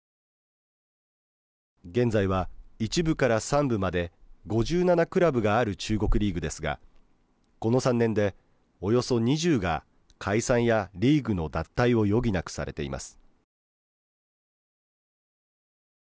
現在は１部から３部まで５７クラブがある中国リーグですがこの３年で、およそ２０が解散やリーグの脱退を余儀なくされています。